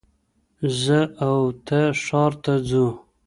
زه او ته ښار ته ځو